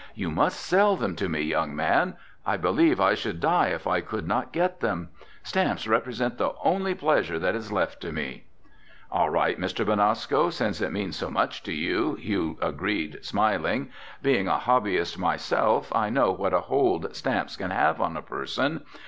You must sell them to me, young man! I believe I should die if I could not get them! Stamps represent the only pleasure that is left to me." "All right, Mr. Benasco, since it means so much to you," Hugh agreed, smiling. "Being a hobbyist myself, I know what a hold stamps can have on a person.